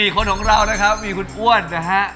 คนของเรานะครับมีคุณอ้วนนะฮะ